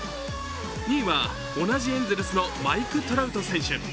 ２位は同じエンゼルスのマイク・トラウト選手。